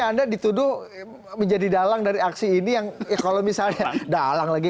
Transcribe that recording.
anda dituduh menjadi dalang dari aksi ini yang kalau misalnya dalang lagi